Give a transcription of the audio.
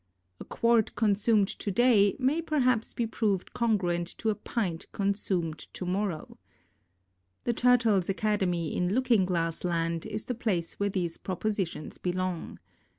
A quart consumed to day may perhaps be proved con gruent to a pint consumed to morrow. The Turtles' Academy in Looking Glass Land is the place where these propositions belong.